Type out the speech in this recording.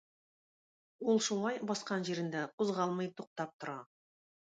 Ул шулай баскан җирендә кузгалмый туктап тора.